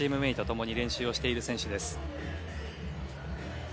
ともに練習をしている選手です。